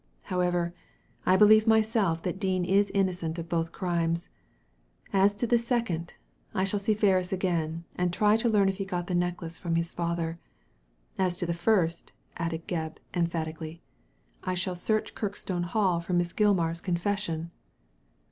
However, I believe myself that Dean is innocent of both crimes. As to the second, I shall see Ferris again, and try to learn if he got the necklace from his father ; as to the first," added Gebb, emphatically, " I shall search Kirkstone Hall for Miss Gilmar's confession."